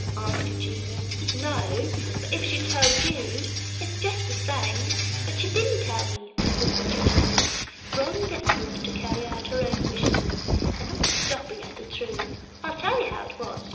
asked Eugenia. "No, but if she told you, it is just the same." "But she didn't tell me," persisted Eugenia, grown desperate to carry out her own wishes, and not stopping at the truth. "I'll tell you how it was."